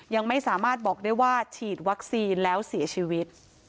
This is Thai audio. ยังไม่สามารถบอกได้ว่าฉีดวัคซีนแล้วเสียชีวิต